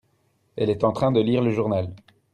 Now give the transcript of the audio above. elle est en train de lire le journal.